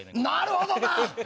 なるほどな！